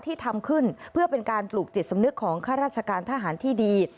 ที่ทำขึ้นเพื่อเป็นการปลูกจิตสำนึกของข้าราชการทหารที่ดี